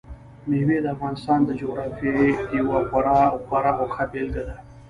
مېوې د افغانستان د جغرافیې یوه خورا غوره او ښه بېلګه ده.